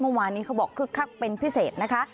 เมื่อวานนี้เขาบอกคึกคักเป็นพิเศษนะคะ